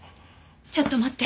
ちょっと待って。